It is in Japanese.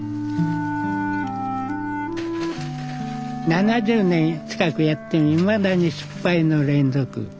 ７０年近くやってもいまだに失敗の連続。